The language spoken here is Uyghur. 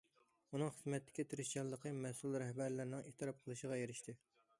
ئۇنىڭ خىزمەتتىكى تىرىشچانلىقى مەسئۇل رەھبەرلەرنىڭ ئېتىراپ قىلىشىغا ئېرىشتى.